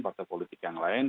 partai politik yang lain